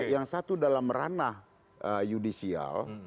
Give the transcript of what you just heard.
yang satu dalam ranah judicial